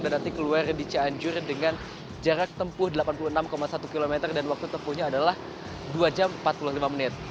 dan nanti keluar di cianjur dengan jarak tempuh delapan puluh enam satu km dan waktu tempuhnya adalah dua jam empat puluh lima menit